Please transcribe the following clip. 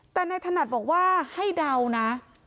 แต่นายถนัดบอกว่าให้เดานะ